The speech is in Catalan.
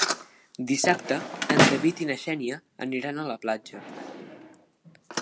Dissabte en David i na Xènia aniran a la platja.